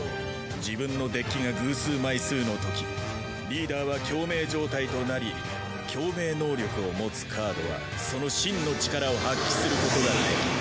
自分のデッキが偶数枚数のときリーダーは共鳴状態となり共鳴能力を持つカードはその真の力を発揮することができる。